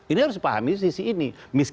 ini harus dipahami sisi ini